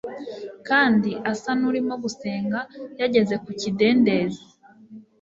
kandi asa n’urimo gusenga, yageze ku kidendezi.